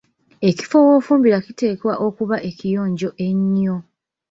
Ekifo w‘ofumbira kiteekwa okuba ekiyonjo ennyo.